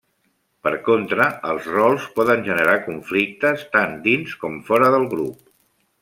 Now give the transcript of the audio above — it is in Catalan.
Per contra, els rols poden generar conflictes, tant dins com fora del grup.